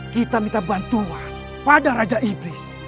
kita minta bantuan pada raja iblis